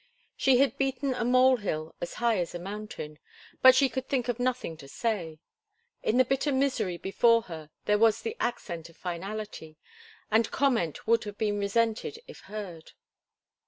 She had beaten a mole hill as high as a mountain. But she could think of nothing to say. In the bitter misery before her there was the accent of finality, and comment would have been resented if heard.